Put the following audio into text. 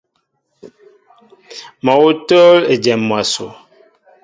Mol awŭ tól ejém mwaso.